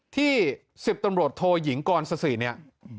ที่๑๐ตำรวจโทยิงกรสสิเนี่ย